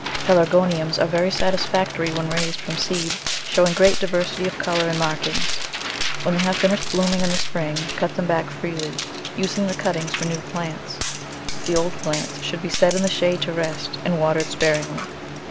Pe largoniums are very satisfactory when raised from seed, showing great diversity of colour and markings. When they have finished blooming in the spring cut them back freely, using the cuttings for new plants. The old plants should be set in the shade to rest and watered sparingly.